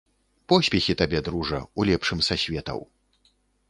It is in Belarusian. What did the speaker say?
Поспехі табе, дружа, у лепшым са светаў.